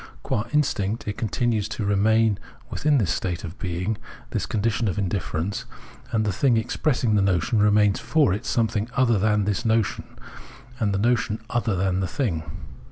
Qua instinct it continues to remain within this state of being, this condition of in difierence ; and the thing expressing the notion remains for it something other than this notion, and the notion other than the thing.